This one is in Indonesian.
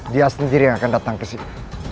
dia sendiri yang akan datang ke sini